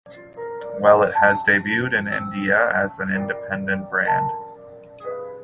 While it has debuted in India as an Independent brand.